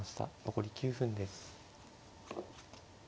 残り９分です。